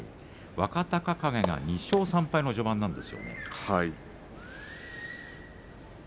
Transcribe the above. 若隆景が２勝３敗の序盤です。